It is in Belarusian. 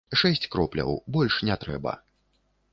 Шэсць кропляў, больш не трэба.